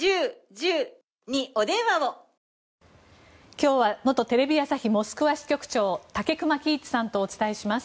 今日は元テレビ朝日モスクワ支局長武隈喜一さんとお伝えします。